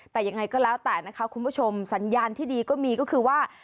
แต่ยังไงก็แล้วแต่นะคะคุณผู้ชมสัญญาณที่ดีก็มีก็คือว่า